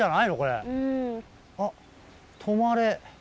あっ「止まれ」。